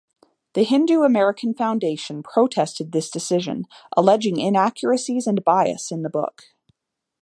The Hindu American Foundation protested this decision, alleging inaccuracies and bias in the book.